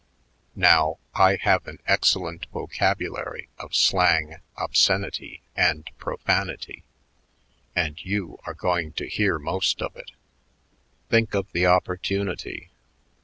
Now, I have an excellent vocabulary of slang, obscenity, and profanity; and you are going to hear most of it. Think of the opportunity.